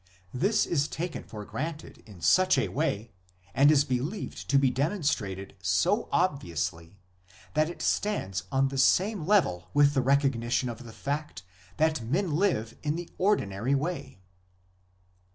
This is taken for granted in such a way, and is believed to be demonstrated so obviously, that it stands on the same level with the recognition of the fact that men live in the ordinary way.